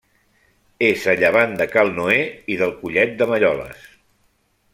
És a llevant de Cal Noè i del Collet de Malloles.